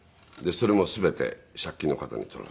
それも全て借金の形に取られてしまって。